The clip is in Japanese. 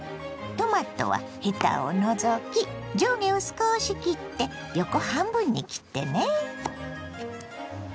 トマトはヘタを除き上下を少し切って横半分に切ってね。